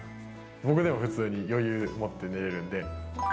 僕でも普通に、余裕持って寝れるんで。